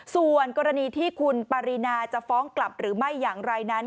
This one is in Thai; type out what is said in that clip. ส่วนกรณีที่คุณปารีนาจะฟ้องกลับหรือไม่อย่างไรนั้น